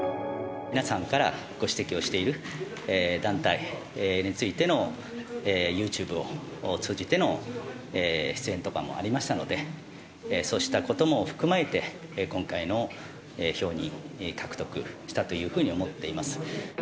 皆さんがご指摘をしている団体についてのユーチューブを通じての出演とかもありましたので、そうしたことも踏まえて、今回の票に獲得したというふうに思っています。